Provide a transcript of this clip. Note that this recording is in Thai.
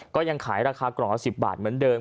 ก็ยังขายราคากล่องละ๑๐บาทเหมือนเดิม